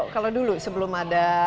kalau dulu sebelum ada